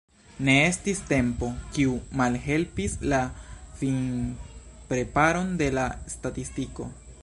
Ne estis "tempo", kiu malhelpis la finpreparon de la statistiko.